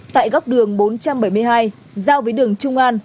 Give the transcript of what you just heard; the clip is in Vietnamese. tại góc đường bốn trăm bảy mươi hai